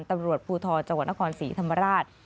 ตำรวจภูทรจังหวัดนครศรีธรรมราช